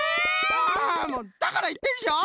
はあもうだからいったでしょ！